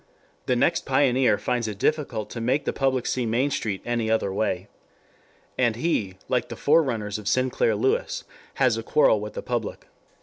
The next pioneer finds it difficult to make the public see Main Street any other way. And he, like the forerunners of Sinclair Lewis, has a quarrel with the public.